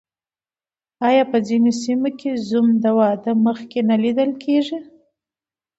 آیا په ځینو سیمو کې زوم د واده مخکې نه لیدل کیږي؟